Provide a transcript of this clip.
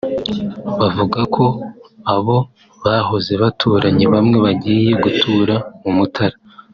bavuga ko abo bahoze baturanye bamwe bagiye gutura mu Mutara